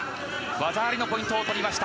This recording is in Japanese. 技ありのポイントを取りました。